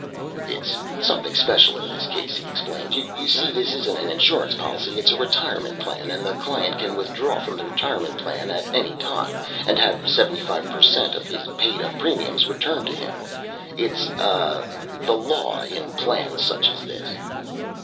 "It's something special in this case," he explained. "You see, this isn't an insurance policy, it's a retirement plan, and the client can withdraw from the retirement plan at any time, and have seventy five per cent of his paid up premiums returned to him. It's, uh, the law in plans such as this."